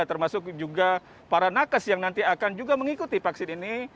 termasuk juga para nakes yang nanti akan juga mengikuti vaksin ini